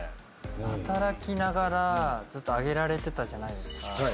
働きながらずっと上げられてたじゃないですか。